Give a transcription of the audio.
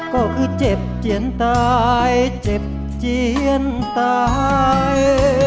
ก็คือเจ็บเจียนตายเจ็บเจียนตาย